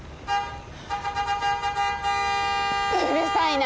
うるさいな！